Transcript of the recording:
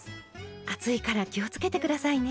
熱いから気をつけて下さいね。